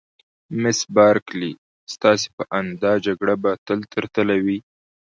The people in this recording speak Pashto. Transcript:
مس بارکلي: ستاسي په اند دا جګړه به تل تر تله وي؟